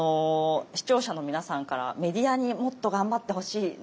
視聴者の皆さんから「メディアにもっと頑張ってほしい。